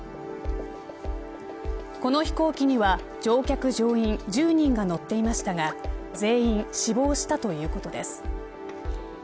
この飛行機には、乗客乗員１０人が乗っていましたが全員死亡したということです。